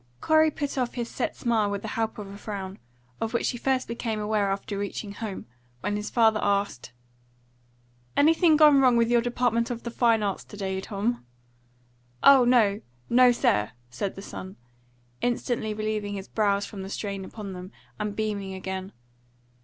COREY put off his set smile with the help of a frown, of which he first became aware after reaching home, when his father asked "Anything gone wrong with your department of the fine arts to day, Tom?" "Oh no no, sir," said the son, instantly relieving his brows from the strain upon them, and beaming again.